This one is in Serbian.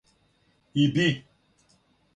и би